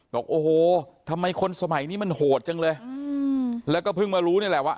บอกโอ้โหทำไมคนสมัยนี้มันโหดจังเลยแล้วก็เพิ่งมารู้นี่แหละว่า